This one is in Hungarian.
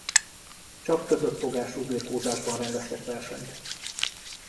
Csak kötöttfogású birkózásban rendeztek versenyt.